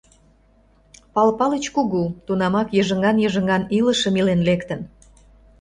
Пал Палыч кугу, тунамак йыжыҥан-йыжыҥан илышым илен лектын.